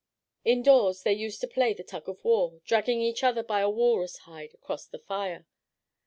In doors they used to play the tug of war, dragging each other by a walrus hide across the fire.